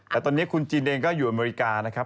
แต่ตอนนี้คุณจีนเองก็อยู่อเมริกานะครับ